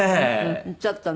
ちょっとね。